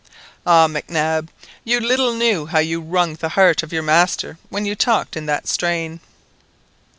Ah, Mac Nab, you little knew how you wrung the heart of your master when you talked in that strain!